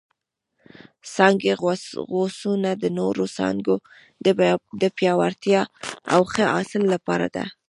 څانګې غوڅونه د نورو څانګو د پیاوړتیا او ښه حاصل لپاره ده.